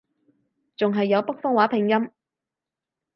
仲係有北方話拼音